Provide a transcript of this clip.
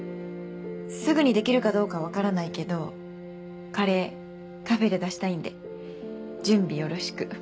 「すぐにできるかどうかわからないけどカレーカフェで出したいんで準備よろしく」